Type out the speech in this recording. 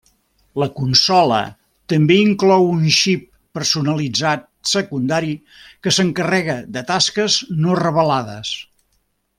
La consola també inclou un xip personalitzat secundari que s'encarrega de tasques no revelades.